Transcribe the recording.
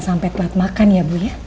sampai telat makan ya bu ya